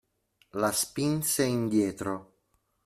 La spinse indietro.